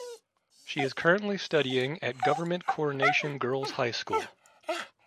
She is currently studying at Government Coronation Girls High School.